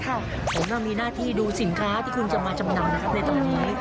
ผมมีหน้าที่ดูสินค้าที่คุณจะมาจำนำนะครับในตอนนี้